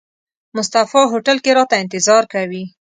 مصطفی هوټل کې راته انتظار کوي.